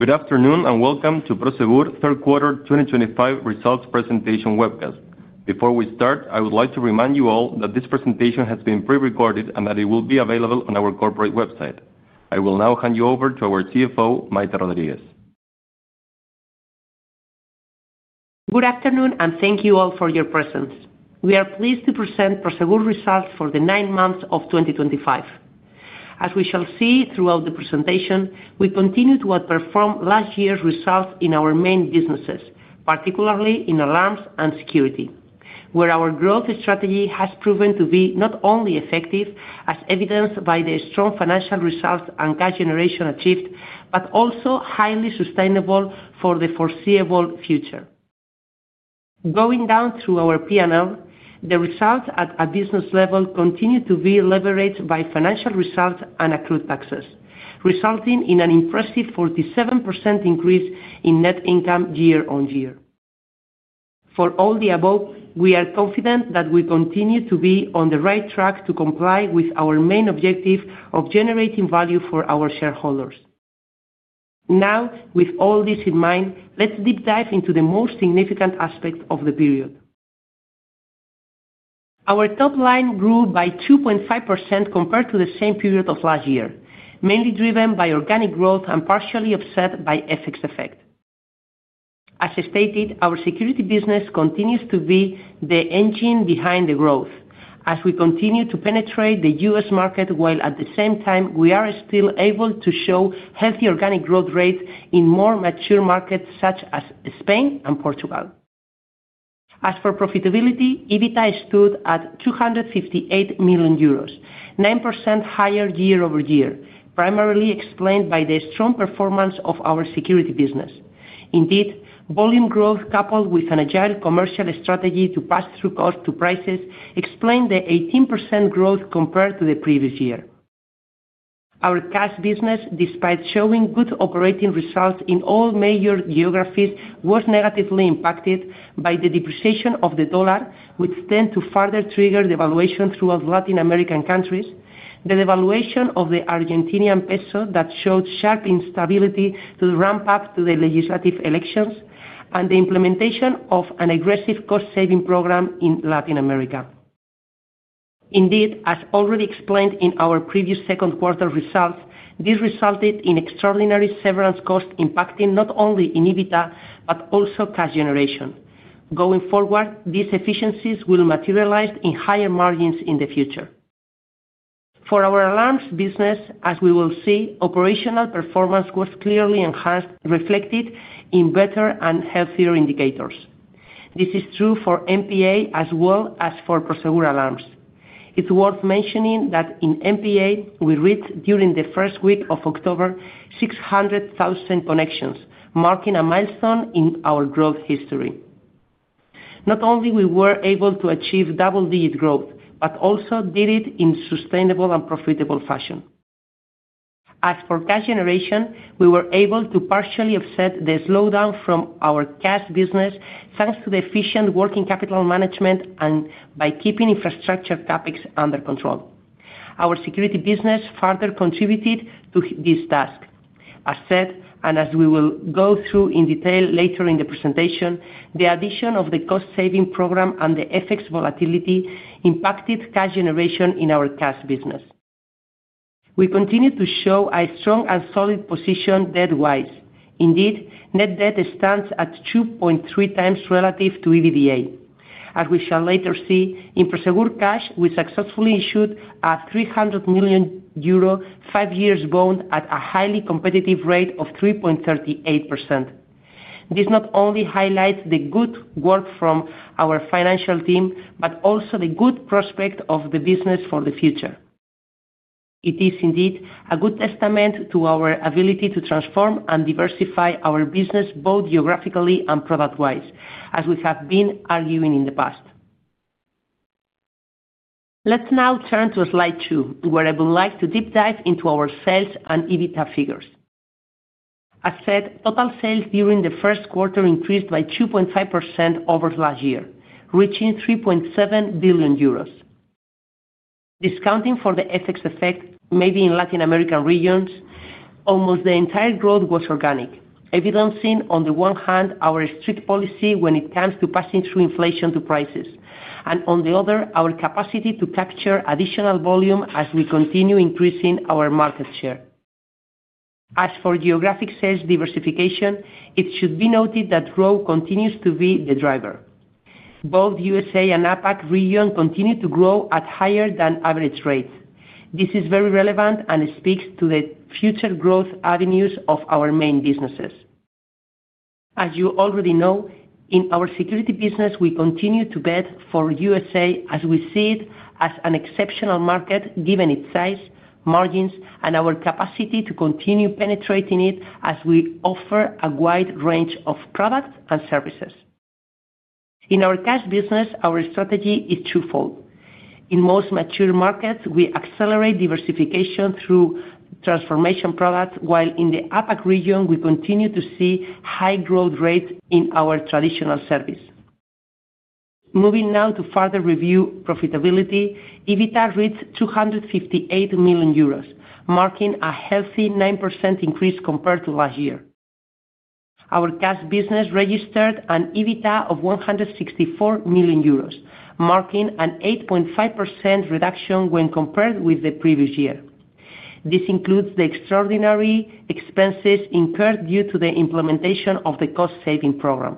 Good afternoon and welcome to Prosegur Third Quarter 2025 Results Presentation webcast. Before we start, I would like to remind you all that this presentation has been pre-recorded and that it will be available on our corporate website. I will now hand you over to our CFO, Maite Rodríguez. Good afternoon and thank you all for your presence. We are pleased to present Prosegur results for the nine months of 2025. As we shall see throughout the presentation, we continue to outperform last year's results in our main businesses, particularly in alarms and security, where our growth strategy has proven to be not only effective, as evidenced by the strong financial results and cash generation achieved, but also highly sustainable for the foreseeable future. Going down through our P&L, the results at a business level continue to be leveraged by financial results and accrued taxes, resulting in an impressive 47% increase in net income year on year. For all the above, we are confident that we continue to be on the right track to comply with our main objective of generating value for our shareholders. Now, with all this in mind, let's deep dive into the most significant aspect of the period. Our top line grew by 2.5% compared to the same period of last year, mainly driven by organic growth and partially offset by the FX effect. As stated, our Security business continues to be the engine behind the growth, as we continue to penetrate the U.S. market, while at the same time we are still able to show healthy organic growth rates in more mature markets such as Spain and Portugal. As for profitability, EBITDA stood at 258 million euros, 9% higher year-over-year, primarily explained by the strong performance of our Security business. Indeed, volume growth coupled with an agile commercial strategy to pass through cost to prices explained the 18% growth compared to the previous year. Our Cash business, despite showing good operating results in all major geographies, was negatively impacted by the depreciation of the dollar, which tended to further trigger devaluation throughout Latin American countries, the devaluation of the Argentinian peso that showed sharp instability to ramp up to the legislative elections, and the implementation of an aggressive cost-saving program in Latin America. Indeed, as already explained in our previous second quarter results, this resulted in extraordinary severance costs impacting not only EBITDA but also cash generation. Going forward, these efficiencies will materialize in higher margins in the future. For our Alarms business, as we will see, operational performance was clearly enhanced, reflected in better and healthier indicators. This is true for MPA as well as for Prosegur Alarms. It's worth mentioning that in MPA, we reached, during the first week of October, 600,000 connections, marking a milestone in our growth history. Not only were we able to achieve double-digit growth, but also did it in a sustainable and profitable fashion. As for cash generation, we were able to partially offset the slowdown from our Cash business thanks to efficient working capital management and by keeping infrastructure topics under control. Our Security business further contributed to this task. As said, and as we will go through in detail later in the presentation, the addition of the cost-saving program and the FX volatility impacted cash generation in our Cash business. We continue to show a strong and solid position debt-wise. Indeed, net debt stands at 2.3x relative to EBITDA. As we shall later see, in Prosegur Cash, we successfully issued a 300 million euro five-year bond at a highly competitive rate of 3.38%. This not only highlights the good work from our financial team, but also the good prospect of the business for the future. It is indeed a good testament to our ability to transform and diversify our business both geographically and product-wise, as we have been arguing in the past. Let's now turn to slide two, where I would like to deep dive into our sales and EBITDA figures. As said, total sales during the first quarter increased by 2.5% over last year, reaching 3.7 billion euros. Discounting for the FX effect, maybe in Latin American regions, almost the entire growth was organic, evidencing, on the one hand, our strict policy when it comes to passing through inflation to prices, and on the other, our capacity to capture additional volume as we continue increasing our market share. As for geographic sales diversification, it should be noted that growth continues to be the driver. Both U.S.A. and APAC region continue to grow at higher than average rates. This is very relevant and speaks to the future growth avenues of our main businesses. As you already know, in our Security business, we continue to bet for U.S.A. as we see it as an exceptional market given its size, margins, and our capacity to continue penetrating it as we offer a wide range of products and services. In our Cash business, our strategy is twofold. In most mature markets, we accelerate diversification through transformation products, while in the APAC region, we continue to see high growth rates in our traditional service. Moving now to further review profitability, EBITDA reached 258 million euros, marking a healthy 9% increase compared to last year. Our Cash business registered an EBITDA of 164 million euros, marking an 8.5% reduction when compared with the previous year. This includes the extraordinary expenses incurred due to the implementation of the cost-saving program.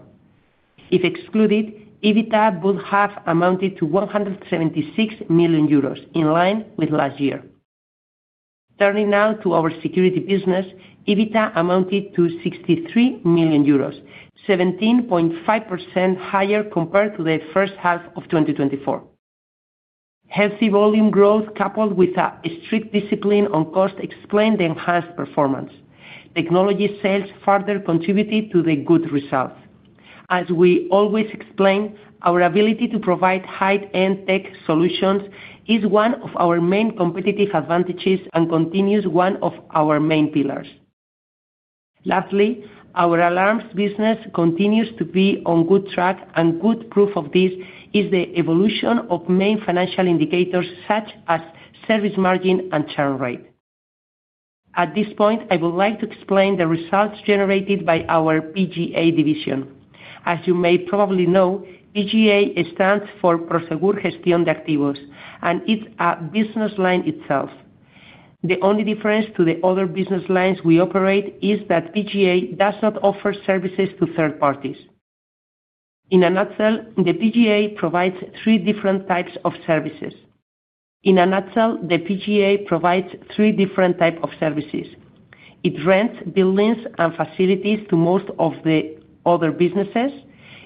If excluded, EBITDA would have amounted to 176 million euros, in line with last year. Turning now to our Security business, EBITDA amounted to 63 million euros, 17.5% higher compared to the first half of 2024. Healthy volume growth coupled with a strict discipline on cost explained the enhanced performance. Technology sales further contributed to the good results. As we always explain, our ability to provide high-end tech solutions is one of our main competitive advantages and continues to be one of our main pillars. Lastly, our Alarms business continues to be on good track, and good proof of this is the evolution of main financial indicators such as service margin and churn rate. At this point, I would like to explain the results generated by our PGA division. As you may probably know, PGA stands for Prosegur Gestión de Activos, and it's a business line itself. The only difference to the other business lines we operate is that PGA does not offer services to third parties. In a nutshell, the PGA provides three different types of services. It rents buildings and facilities to most of the other businesses.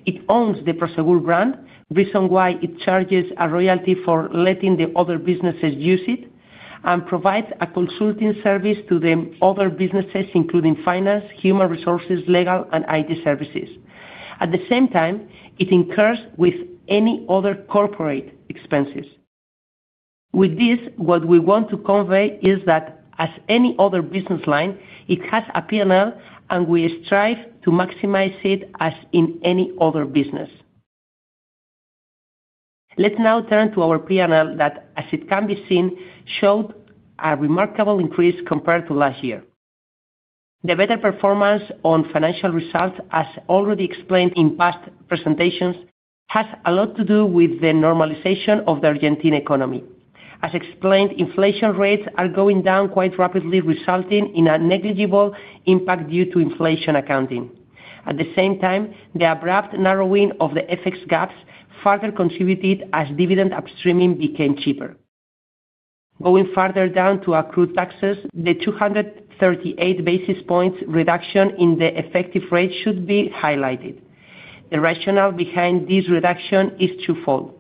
It owns the Prosegur brand, the reason why it charges a royalty for letting the other businesses use it, and provides a consulting service to the other businesses, including finance, human resources, legal, and IT services. At the same time, it incurs with any other corporate expenses. With this, what we want to convey is that, as any other business line, it has a P&L, and we strive to maximize it as in any other business. Let's now turn to our P&L that, as it can be seen, showed a remarkable increase compared to last year. The better performance on financial results, as already explained in past presentations, has a lot to do with the normalization of the Argentine economy. As explained, inflation rates are going down quite rapidly, resulting in a negligible impact due to inflation accounting. At the same time, the abrupt narrowing of the FX gaps further contributed as dividend upstreaming became cheaper. Going further down to accrued taxes, the 238 basis points reduction in the effective rate should be highlighted. The rationale behind this reduction is twofold.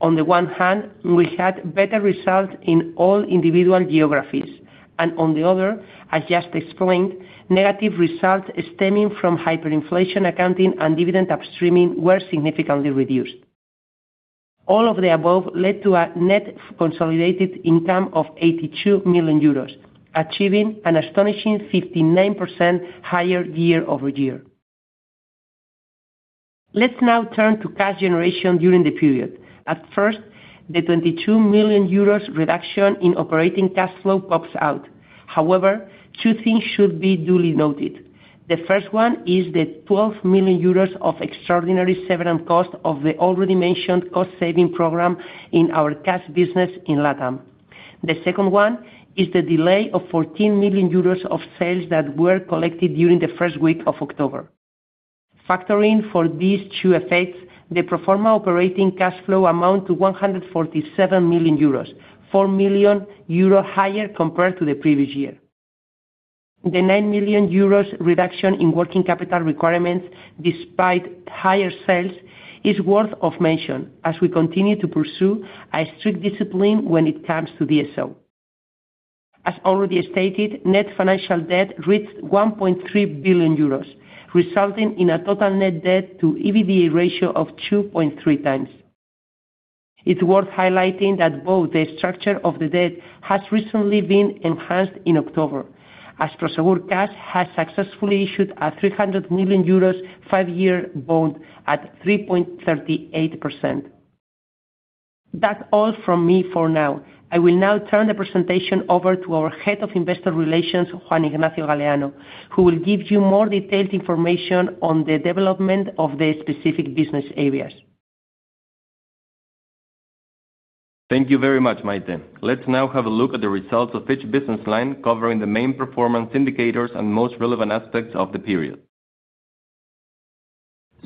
On the one hand, we had better results in all individual geographies, and on the other, as just explained, negative results stemming from hyperinflation accounting and dividend upstreaming were significantly reduced. All of the above led to a net consolidated income of 82 million euros, achieving an astonishing 59% higher year-over-year. Let's now turn to cash generation during the period. At first, the 22 million euros reduction in operating cash flow pops out. However, two things should be duly noted. The first one is the 12 million euros of extraordinary severance cost of the already mentioned cost-saving program in our Cash business in LATAM. The second one is the delay of 14 million euros of sales that were collected during the first week of October. Factoring for these two effects, the pro forma operating cash flow amounted to 147 million euros, 4 million euro higher compared to the previous year. The 9 million euros reduction in working capital requirements, despite higher sales, is worth mentioning as we continue to pursue a strict discipline when it comes to DSO. As already stated, net financial debt reached 1.3 billion euros, resulting in a total net debt-to-EBITDA ratio of 2.3x. It's worth highlighting that both the structure of the debt has recently been enhanced in October, as Prosegur Cash has successfully issued a 300 million euros five-year bond at 3.38%. That's all from me for now. I will now turn the presentation over to our Head of Investor Relations, Juan Ignacio Galleano, who will give you more detailed information on the development of the specific business areas. Thank you very much, Maite. Let's now have a look at the results of each business line covering the main performance indicators and most relevant aspects of the period.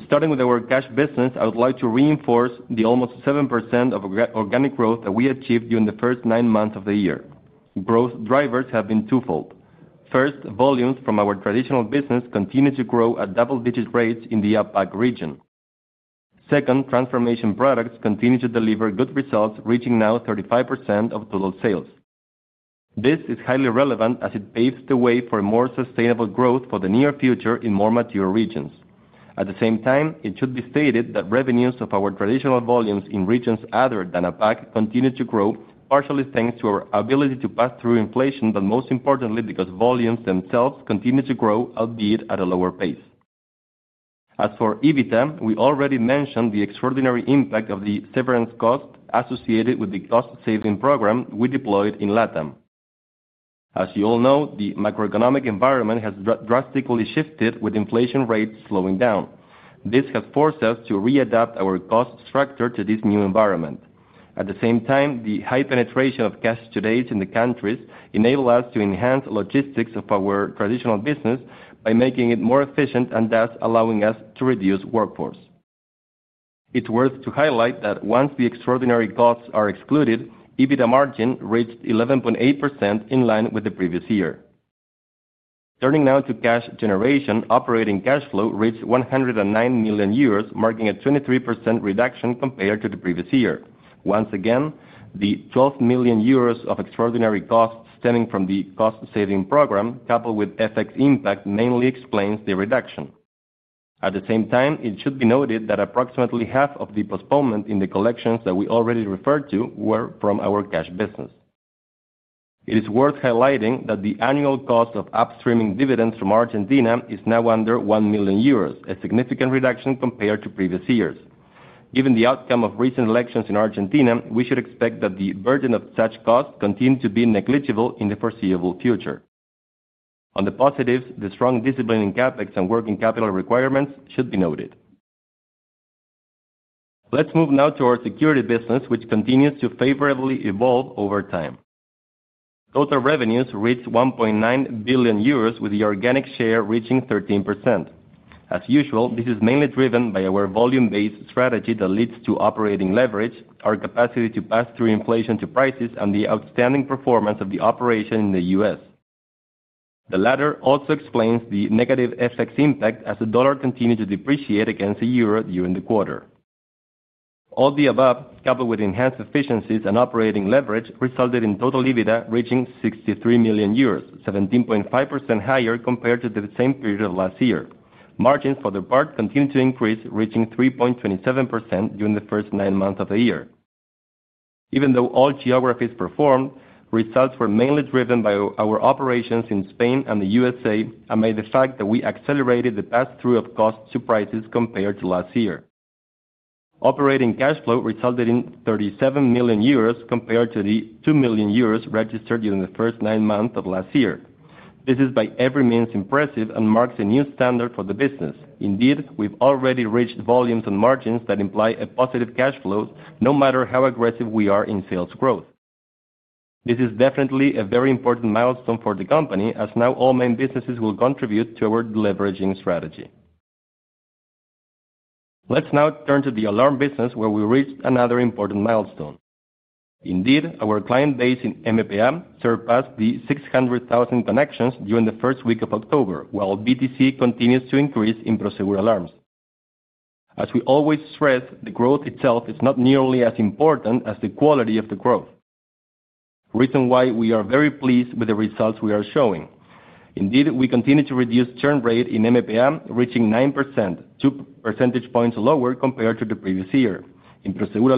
Starting with our Cash business, I would like to reinforce the almost 7% of organic growth that we achieved during the first nine months of the year. Growth drivers have been twofold. First, volumes from our traditional business continue to grow at double-digit rates in the APAC region. Second, transformation products continue to deliver good results, reaching now 35% of total sales. This is highly relevant as it paves the way for more sustainable growth for the near future in more mature regions. At the same time, it should be stated that revenues of our traditional volumes in regions other than APAC continue to grow, partially thanks to our ability to pass through inflation, but most importantly, because volumes themselves continue to grow, albeit at a lower pace. As for EBITDA, we already mentioned the extraordinary impact of the severance costs associated with the cost-saving program we deployed in LATAM. As you all know, the macroeconomic environment has drastically shifted with inflation rates slowing down. This has forced us to readapt our cost structure to this new environment. At the same time, the high penetration of cash today in the countries enabled us to enhance the logistics of our traditional business by making it more efficient and thus allowing us to reduce workforce. It's worth highlighting that once the extraordinary costs are excluded, EBITDA margin reached 11.8% in line with the previous year. Turning now to cash generation, operating cash flow reached 109 million euros, marking a 23% reduction compared to the previous year. Once again, the 12 million euros of extraordinary costs stemming from the cost-saving program coupled with FX impact mainly explains the reduction. At the same time, it should be noted that approximately half of the postponement in the collections that we already referred to were from our Cash business. It is worth highlighting that the annual cost of upstreaming dividends from Argentina is now under 1 million euros, a significant reduction compared to previous years. Given the outcome of recent elections in Argentina, we should expect that the burden of such costs continues to be negligible in the foreseeable future. On the positives, the strong discipline in CapEx and working capital requirements should be noted. Let's move now to our Security business, which continues to favorably evolve over time. Total revenues reached 1.9 billion euros, with the organic share reaching 13%. As usual, this is mainly driven by our volume-based strategy that leads to operating leverage, our capacity to pass through inflation to prices, and the outstanding performance of the operation in the U.S. The latter also explains the negative FX impact as the dollar continued to depreciate against the euro during the quarter. All the above, coupled with enhanced efficiencies and operating leverage, resulted in total EBITDA reaching 63 million euros, 17.5% higher compared to the same period of last year. Margins, for their part, continued to increase, reaching 3.27% during the first nine months of the year. Even though all geographies performed, results were mainly driven by our operations in Spain and the U.S.A., amid the fact that we accelerated the pass-through of costs to prices compared to last year. Operating cash flow resulted in 37 million euros compared to the 2 million euros registered during the first nine months of last year. This is by every means impressive and marks a new standard for the business. Indeed, we've already reached volumes and margins that imply a positive cash flow, no matter how aggressive we are in sales growth. This is definitely a very important milestone for the company, as now all main businesses will contribute to our leveraging strategy. Let's now turn to the Alarm business, where we reached another important milestone. Indeed, our client base in MPA surpassed the 600,000 connections during the first week of October, while BTC continues to increase in Prosegur Alarms. As we always stress, the growth itself is not nearly as important as the quality of the growth. The reason why we are very pleased with the results we are showing. Indeed, we continue to reduce churn rate in MPA, reaching 9%, two percentage points lower compared to the previous year. In Prosegur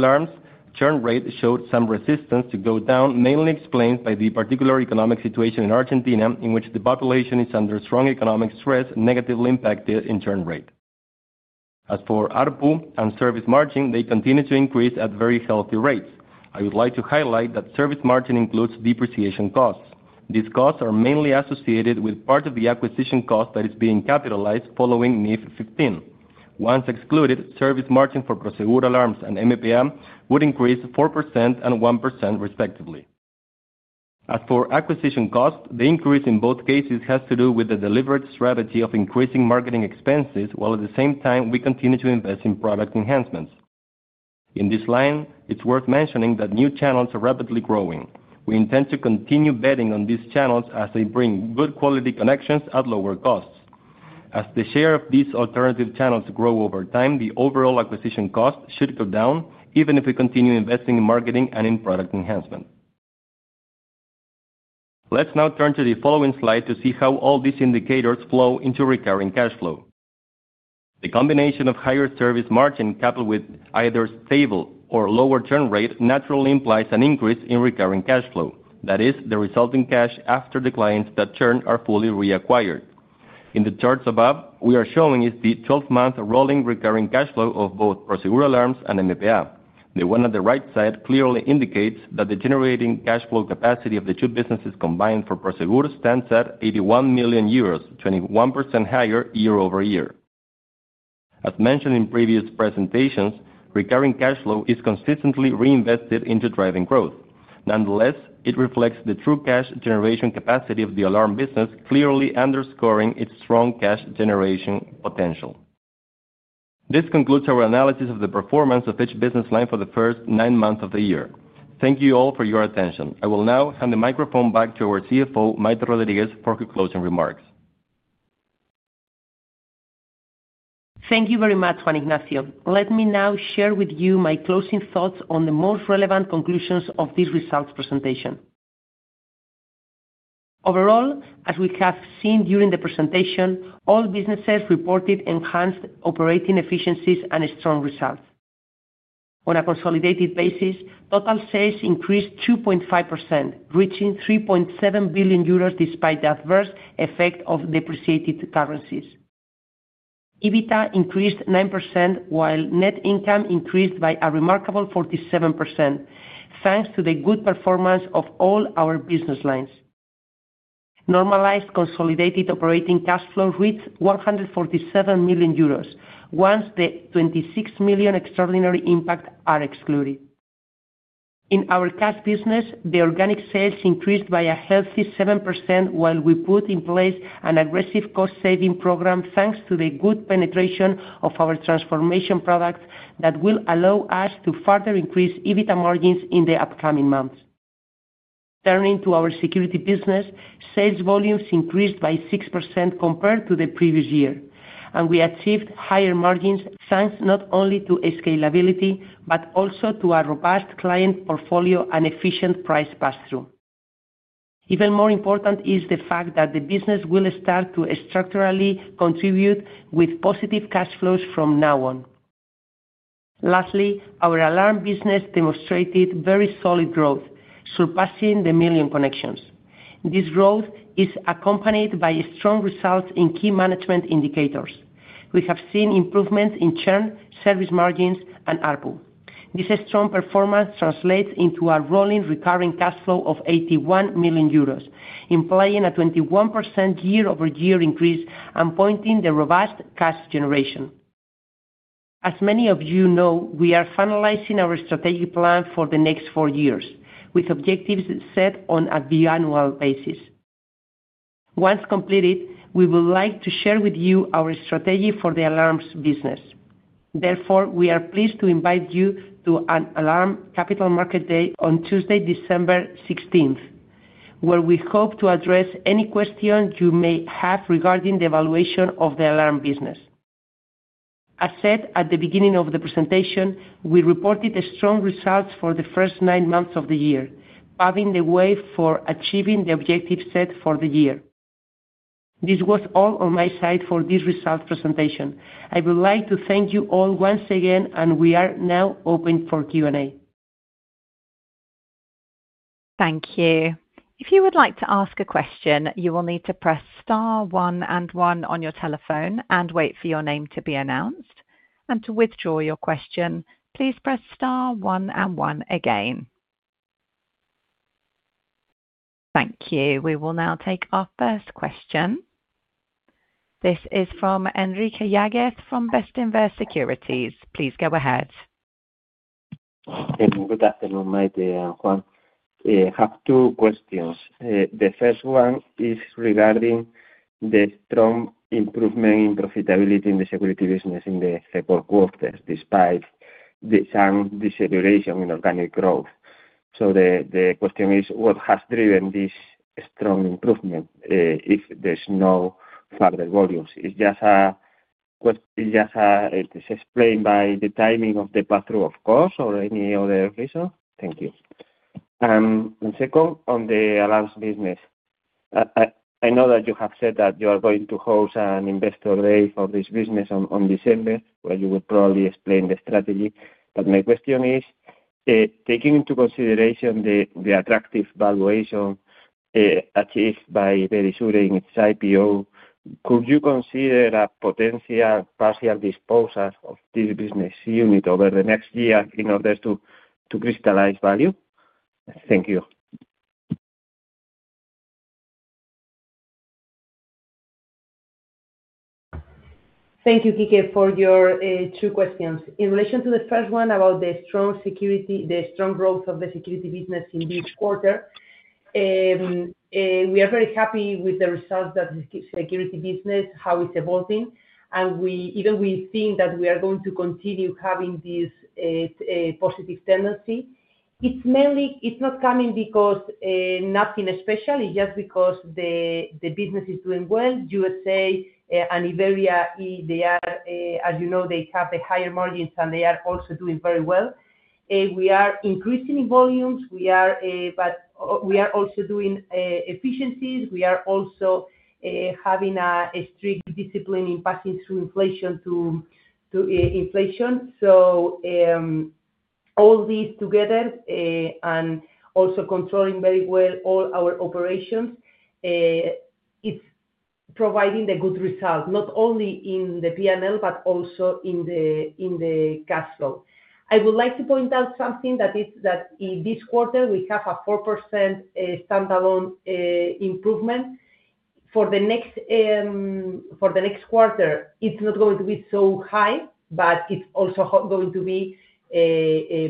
Alarms, churn rate showed some resistance to go down, mainly explained by the particular economic situation in Argentina, in which the population is under strong economic stress, negatively impacting churn rate. As for ARPU and service margin, they continue to increase at very healthy rates. I would like to highlight that service margin includes depreciation costs. These costs are mainly associated with part of the acquisition cost that is being capitalized following NIF 15. Once excluded, service margin for Prosegur Alarms and MPA would increase 4% and 1%, respectively. As for acquisition costs, the increase in both cases has to do with the deliberate strategy of increasing marketing expenses, while at the same time, we continue to invest in product enhancements. In this line, it's worth mentioning that new channels are rapidly growing. We intend to continue betting on these channels as they bring good quality connections at lower costs. As the share of these alternative channels grows over time, the overall acquisition cost should go down, even if we continue investing in marketing and in product enhancement. Let's now turn to the following slide to see how all these indicators flow into recurring cash flow. The combination of higher service margin coupled with either stable or lower churn rate naturally implies an increase in recurring cash flow. That is, the resulting cash after the clients that churn are fully reacquired. In the charts above, we are showing the 12-month rolling recurring cash flow of both Prosegur Alarms and MPA. The one on the right side clearly indicates that the generating cash flow capacity of the two businesses combined for Prosegur stands at 81 million euros, 21% higher year-over-year. As mentioned in previous presentations, recurring cash flow is consistently reinvested into driving growth. Nonetheless, it reflects the true cash generation capacity of the Alarm business, clearly underscoring its strong cash generation potential. This concludes our analysis of the performance of each business line for the first nine months of the year. Thank you all for your attention. I will now hand the microphone back to our CFO, Maite Rodríguez, for her closing remarks. Thank you very much, Juan Ignacio. Let me now share with you my closing thoughts on the most relevant conclusions of this results presentation. Overall, as we have seen during the presentation, all businesses reported enhanced operating efficiencies and strong results. On a consolidated basis, total sales increased 2.5%, reaching 3.7 billion euros, despite the adverse effect of depreciated currencies. EBITDA increased 9%, while net income increased by a remarkable 47%. Thanks to the good performance of all our business lines. Normalized consolidated operating cash flow reached 147 million euros, once the 26 million extraordinary impact is excluded. In our Cash business, the organic sales increased by a healthy 7%, while we put in place an aggressive cost-saving program thanks to the good penetration of our transformation product that will allow us to further increase EBITDA margins in the upcoming months. Turning to our Security business, sales volumes increased by 6% compared to the previous year, and we achieved higher margins thanks not only to scalability but also to a robust client portfolio and efficient price pass-through. Even more important is the fact that the business will start to structurally contribute with positive cash flows from now on. Lastly, our Alarm business demonstrated very solid growth, surpassing the million connections. This growth is accompanied by strong results in key management indicators. We have seen improvements in churn, service margins, and ARPU. This strong performance translates into a rolling recurring cash flow of 81 million euros, implying a 21% year-over-year increase and pointing to robust cash generation. As many of you know, we are finalizing our strategic plan for the next four years, with objectives set on a biannual basis. Once completed, we would like to share with you our strategy for the alarms business. Therefore, we are pleased to invite you to an Alarm Capital Market Day on Tuesday, December 16th, where we hope to address any questions you may have regarding the evaluation of the Alarm business. As said at the beginning of the presentation, we reported strong results for the first nine months of the year, paving the way for achieving the objectives set for the year. This was all on my side for this results presentation. I would like to thank you all once again, and we are now open for Q&A. Thank you. If you would like to ask a question, you will need to press star, one, and one on your telephone and wait for your name to be announced. To withdraw your question, please press star, one, and one again. Thank you. We will now take our first question. This is from Enrique Yáguez from Bestinver Securities. Please go ahead. Good afternoon, Maite and Juan. I have two questions. The first one is regarding the strong improvement in profitability in the Security business in the second quarter, despite the sudden deceleration in organic growth. The question is, what has driven this strong improvement if there's no further volumes? Is it just explained by the timing of the pass-through, of course, or any other reason? Thank you. Second, on the Alarms business. I know that you have said that you are going to host an Investor Day for this business in December, where you will probably explain the strategy. My question is, taking into consideration the attractive valuation achieved by Verisure in its IPO, could you consider a potential partial disposal of this business unit over the next year in order to crystallize value? Thank you. Thank you, Kike, for your two questions. In relation to the first one about the strong growth of the Security business in this quarter, we are very happy with the results that the Security business, how it's evolving. We think that we are going to continue having this positive tendency. It's not coming because nothing special. It's just because the business is doing well. U.S.A. and Iberia, they are, as you know, they have the higher margins, and they are also doing very well. We are increasing in volumes, but we are also doing efficiencies. We are also having a strict discipline in passing through inflation to inflation. All these together, and also controlling very well all our operations, it's providing a good result, not only in the P&L but also in the cash flow. I would like to point out something that this quarter we have a 4% standalone improvement. For the next quarter, it's not going to be so high, but it's also going to be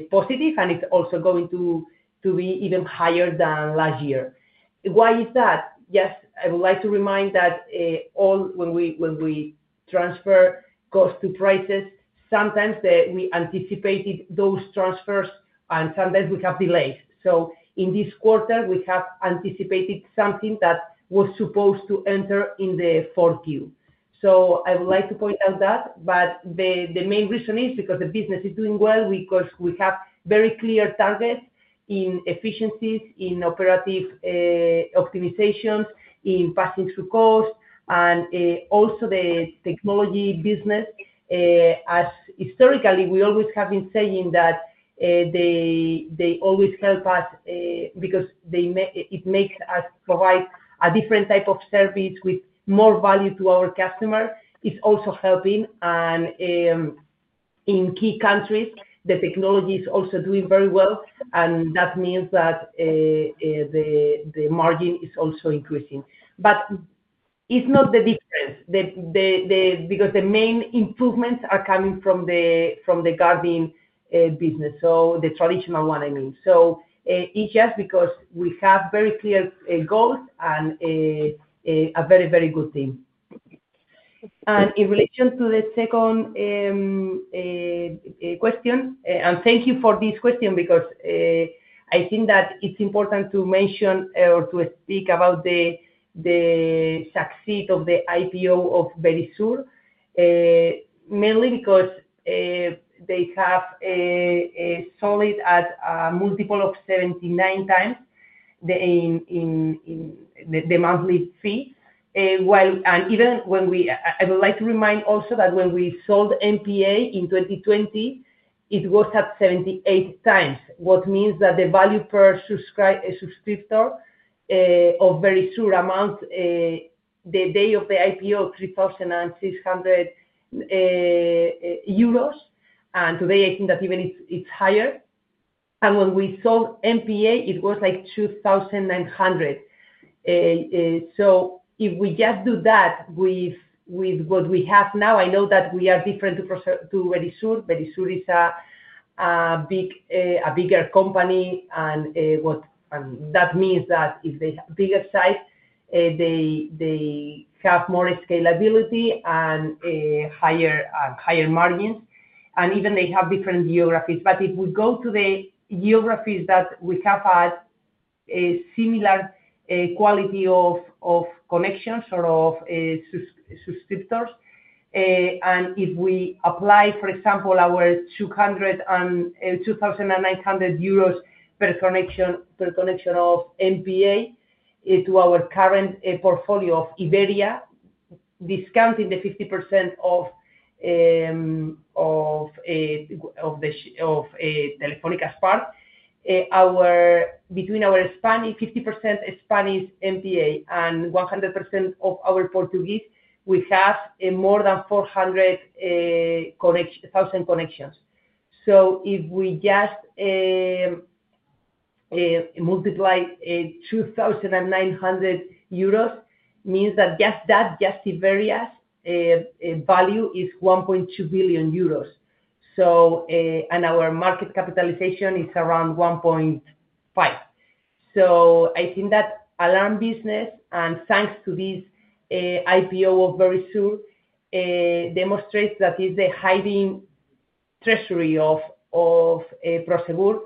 positive, and it's also going to be even higher than last year. Why is that? Yes, I would like to remind that when we transfer costs to prices, sometimes we anticipated those transfers, and sometimes we have delays. In this quarter, we have anticipated something that was supposed to enter in the 4Q. I would like to point out that, but the main reason is because the business is doing well because we have very clear targets in efficiencies, in operative optimizations, in passing through costs, and also the technology business. As historically, we always have been saying that they always help us because it makes us provide a different type of service with more value to our customers. It's also helping, and in key countries, the technology is also doing very well, and that means that the margin is also increasing. It's not the difference because the main improvements are coming from the Guardian business, so the traditional one, I mean. It's just because we have very clear goals and a very, very good team. In relation to the second question, and thank you for this question because I think that it's important to mention or to speak about the succeed of the IPO of Verisure. Mainly because they have a solid multiple of 79x in the monthly fee. I would like to remind also that when we sold MPA in 2020, it was at 78x, what means that the value per subscriptor of Verisure amounts the day of the IPO, 3,600 euros. Today, I think that even it's higher. When we sold MPA, it was like 2,900. If we just do that with what we have now, I know that we are different to Verisure. Verisure is a bigger company, and that means that if they have a bigger size, they have more scalability and higher margins. Even they have different geographies. If we go to the geographies that we have had a similar quality of connections or of subscribers, and if we apply, for example, our 2,900 euros per connection of MPA to our current portfolio of Iberia, discounting the 50% of Telefónica's part between our 50% Spanish MPA and 100% of our Portuguese, we have more than 400,000 connections. If we just multiply 2,900 euros, it means that just that, just Iberia's value is 1.2 billion euros, and our market capitalization is around 1.5 billion. I think that Alarm business, and thanks to this IPO of Verisure, demonstrates that it's the hidden treasury of Prosegur.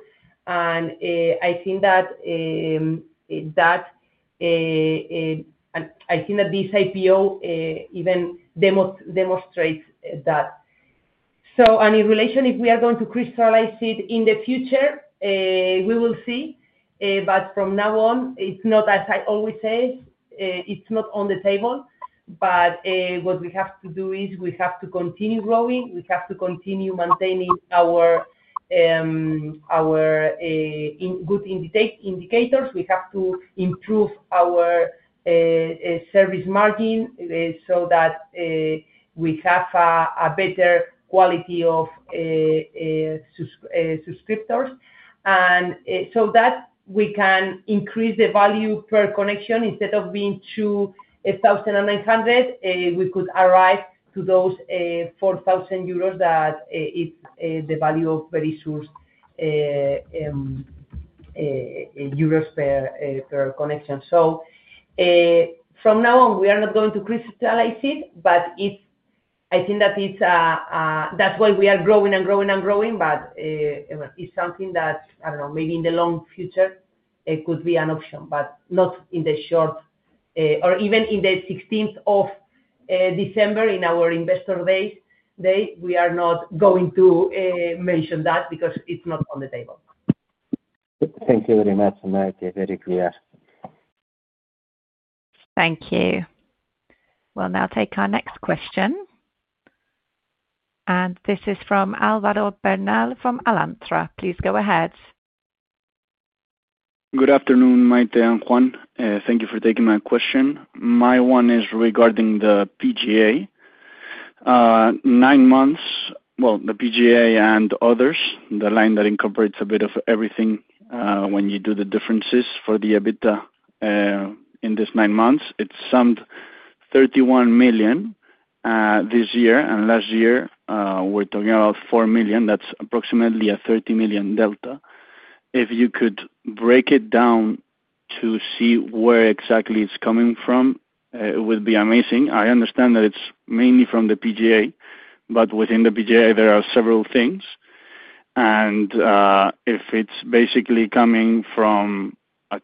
I think that this IPO even demonstrates that. In relation, if we are going to crystallize it in the future, we will see. From now on, it's not, as I always say, it's not on the table. What we have to do is we have to continue growing. We have to continue maintaining our good indicators. We have to improve our service margin so that we have a better quality of subscribers and so that we can increase the value per connection. Instead of being 2,900, we could arrive to those 4,000 euros that is the value of Verisure's euros per connection. From now on, we are not going to crystallize it, but I think that that's why we are growing and growing and growing. It's something that, I don't know, maybe in the long future, it could be an option, but not in the short. Or even on the 16th of December, in our Investor Day, we are not going to mention that because it's not on the table. Thank you very much, Maite, very clear. Thank you. We'll now take our next question. This is from Álvaro Bernal from Alantra. Please go ahead. Good afternoon, Maite and Juan. Thank you for taking my question. My one is regarding the PGA. Nine months, well, the PGA and others, the line that incorporates a bit of everything when you do the differences for the EBITDA. In these nine months, it summed 31 million this year, and last year, we're talking about 4 million. That's approximately a 30 million delta. If you could break it down to see where exactly it's coming from, it would be amazing. I understand that it's mainly from the PGA, but within the PGA, there are several things. If it's basically coming from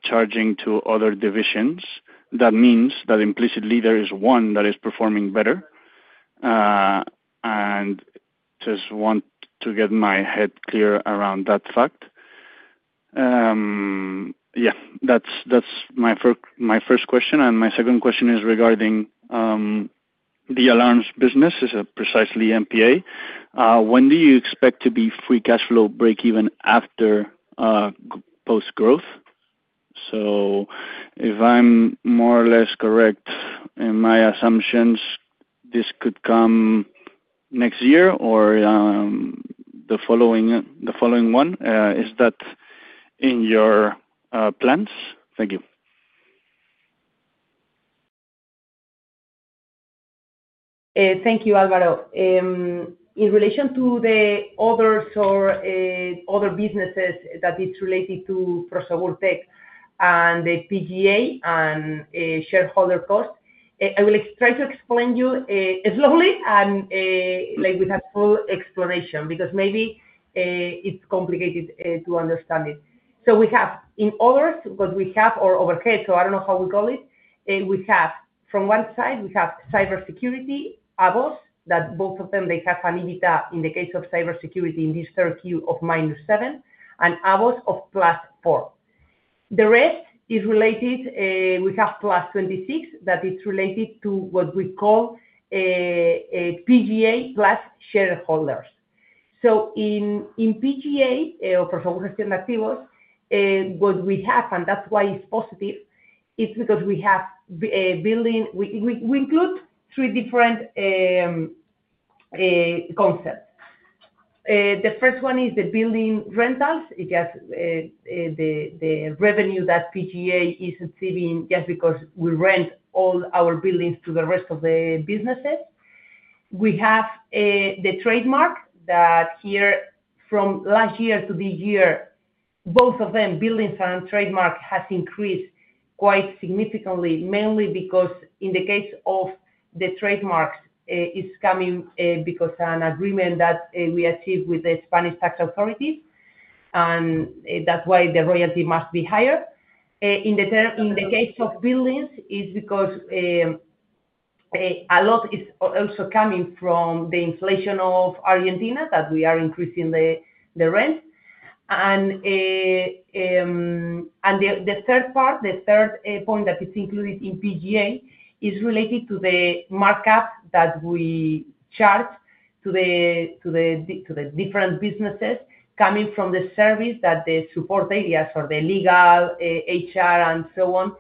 charging to other divisions, that means that implicitly there is one that is performing better. I just want to get my head clear around that fact. Yeah. That's my first question. My second question is regarding. The Alarms business, precisely MPA. When do you expect to be free cash flow break-even after post-growth? If I'm more or less correct in my assumptions, this could come next year or the following one. Is that in your plans? Thank you. Thank you, Álvaro. In relation to the others or other businesses that are related to Prosegur Tech and the PGA and shareholder cost, I will try to explain slowly and with a full explanation because maybe it's complicated to understand. We have, in others, what we have are overheads. From one side, we have Cybersecurity, AVOS, that both of them, they have an EBITDA in the case of Cybersecurity in this third year of -7, and AVOS of +4. The rest is related; we have +26 that is related to what we call PGA plus shareholders. In PGA, or Prosegur Gestión de Activos, what we have, and that's why it's positive, is because we have building—we include three different concepts. The first one is the building rentals. It's just the revenue that PGA is receiving just because we rent all our buildings to the rest of the businesses. We have the trademark that here, from last year to this year, both of them, buildings and trademark, have increased quite significantly, mainly because in the case of the trademarks, it's coming because of an agreement that we achieved with the Spanish tax authorities, and that's why the royalty must be higher. In the case of buildings, a lot is also coming from the inflation of Argentina that we are increasing the rent. The third part, the third point that is included in PGA, is related to the markup that we charge to the different businesses coming from the service that the support areas or the legal, HR, and so on,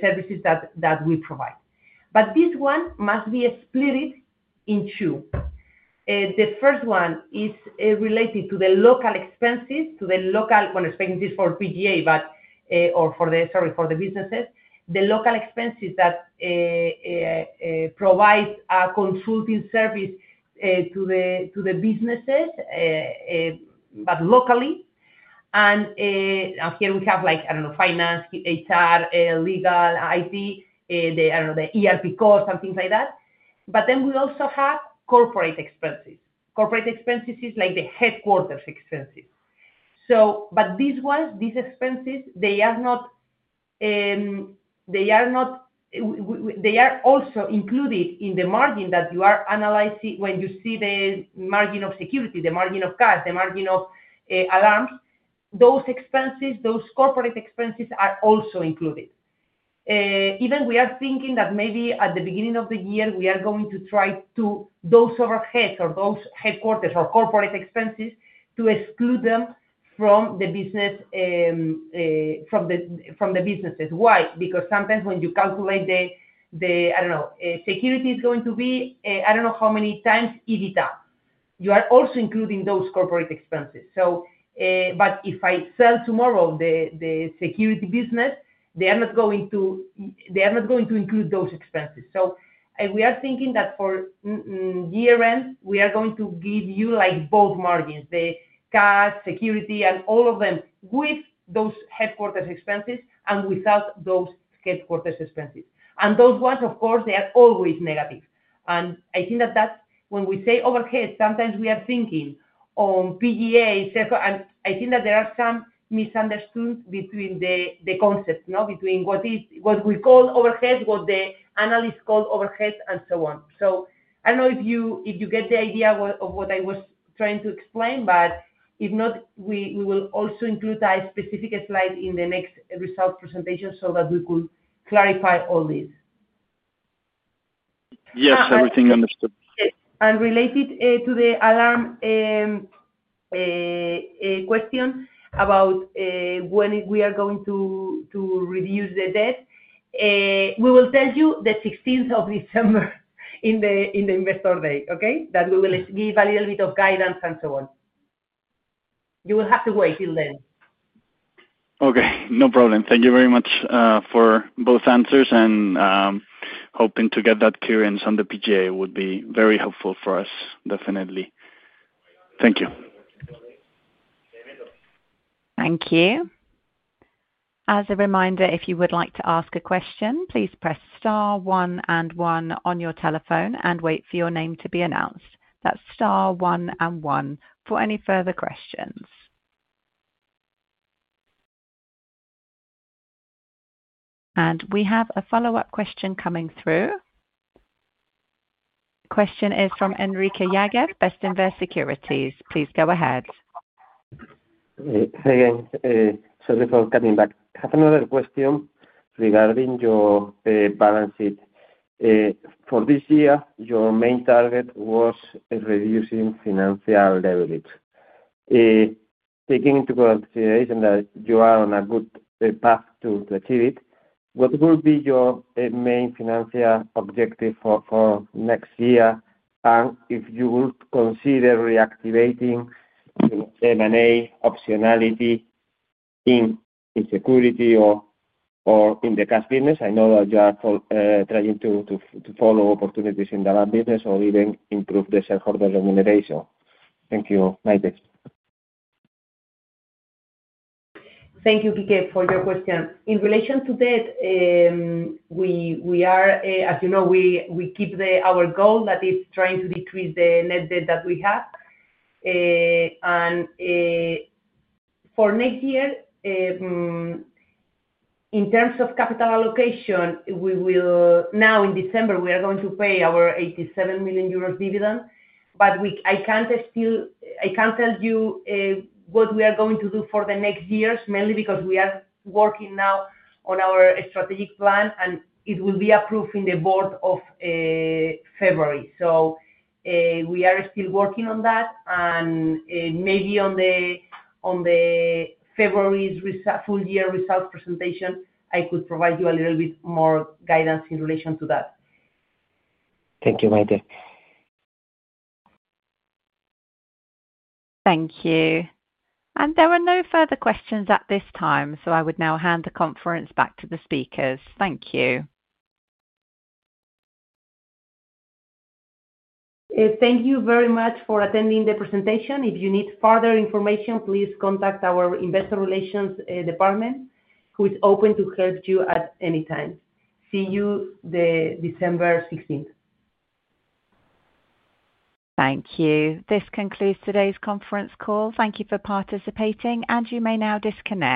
services that we provide. This one must be split in two. The first one is related to the local expenses, to the local expenses for PGA or for the businesses—the local expenses that provide a consulting service to the businesses, but locally. Here we have, I don't know, finance, HR, legal, IT, the ERP costs, and things like that. We also have corporate expenses. Corporate expenses are like the headquarters expenses. These expenses are also included in the margin that you are analyzing when you see the margin of Security, the margin of Cash, the margin of Alarms. Those corporate expenses are also included. Even we are thinking that maybe at the beginning of the year, we are going to try to exclude those overheads or those headquarters or corporate expenses from the business, from the businesses. Why? Because sometimes when you calculate the—I don't know—security is going to be—I don't know how many times EBITDA, you are also including those corporate expenses. If I sell tomorrow the Security business, they are not going to include those expenses. We are thinking that for year-end, we are going to give you both margins: the cash, security, and all of them with those headquarters expenses and without those headquarters expenses. Those ones, of course, they are always negative. I think that when we say overhead, sometimes we are thinking on PGA. I think that there are some misunderstandings between the concepts, between what we call overhead, what the analysts call overhead, and so on. I don't know if you get the idea of what I was trying to explain, but if not, we will also include a specific slide in the next result presentation so that we could clarify all this. Yes, everything understood. Related to the alarm question about when we are going to reduce the debt, we will tell you the 16th of December in the Investor Day, okay, that we will give a little bit of guidance and so on. You will have to wait till then. Okay. No problem. Thank you very much for both answers. Hoping to get that clearance on the PGA would be very helpful for us, definitely. Thank you. Thank you. As a reminder, if you would like to ask a question, please press star one and one on your telephone and wait for your name to be announced. That's star one and one for any further questions. We have a follow-up question coming through. The question is from Enrique Yáguez, Bestinver Securities. Please go ahead. Hey, again. Sorry for cutting back. I have another question regarding your balance sheet. For this year, your main target was reducing financial leverage. Taking into consideration that you are on a good path to achieve it, what will be your main financial objective for next year? If you will consider reactivating M&A optionality in security or in the Cash business, I know that you are trying to follow opportunities in the Alarm business or even improve the shareholder remuneration. Thank you, Maite. Thank you, Kike, for your question. In relation to debt. As you know, we keep our goal that is trying to decrease the net debt that we have. For next year, in terms of capital allocation, now in December, we are going to pay our 87 million euros dividend. I can't tell you what we are going to do for the next years, mainly because we are working now on our strategic plan, and it will be approved in the board of February. We are still working on that, and maybe on the February's full-year results presentation, I could provide you a little bit more guidance in relation to that. Thank you, Maite. Thank you. There were no further questions at this time, so I would now hand the conference back to the speakers. Thank you. Thank you very much for attending the presentation. If you need further information, please contact our Investor Relations Department, who is open to help you at any time. See you December 16th. Thank you. This concludes today's conference call. Thank you for participating, and you may now disconnect.